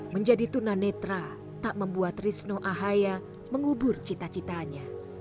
menjadi tunanetra tak membuat risno ahaya mengubur cita citanya